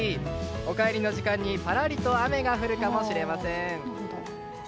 お帰りの時間にパラりと雨が降るかもしれません。